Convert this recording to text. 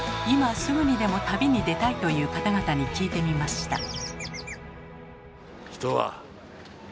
今すぐにでも旅に出たいという方々に聞いてみました。